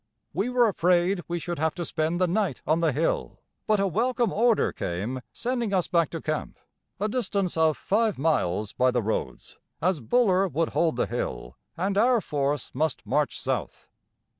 We were afraid we should have to spend the night on the hill, but a welcome order came sending us back to camp, a distance of five miles by the roads, as Buller would hold the hill, and our force must march south.